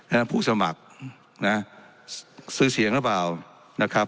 นั่นผู้สมัครซื้อเสียงหรือเปล่า